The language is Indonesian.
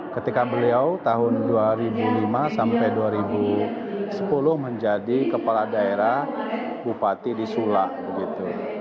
ketika beliau tahun dua ribu lima sampai dua ribu sepuluh menjadi kepala daerah bupati di sula begitu